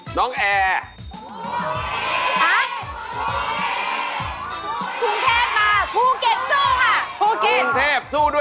น้องแอร์